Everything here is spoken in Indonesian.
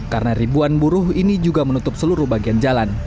karena ribuan buruh ini juga menutup seluruh bagian jalan